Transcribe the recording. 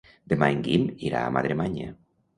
Demà en Guim irà a Madremanya.